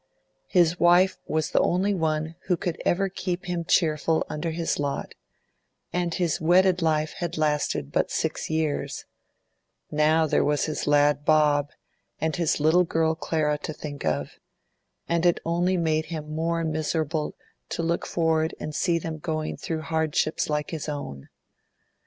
His wife was the only one who could ever keep him cheerful under his lot, and his wedded life had lasted but six years; now there was his lad Bob and his little girl Clara to think of, and it only made him more miserable to look forward and see them going through hardships like his own.